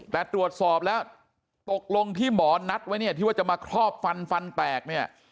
แต่ตรวจสอบแล้วตกลงที่หมอนัดไว้ที่จะมาครอบฟันแตก